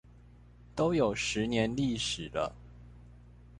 都有十年歷史了